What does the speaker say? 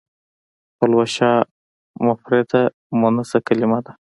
پلوشه مفرده مونثه کلمه ده.